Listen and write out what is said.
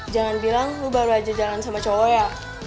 jangan bilang lo baru aja jalan sama cowok ya